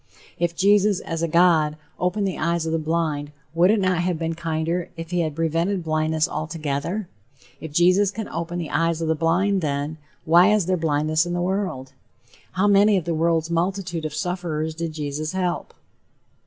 If Jesus as a God opened the eyes of the blind, would it not have been kinder if he had prevented blindness altogether? If Jesus can open the eyes of the blind, then, why is there blindness in the world? How many of the world's multitude of sufferers did Jesus help?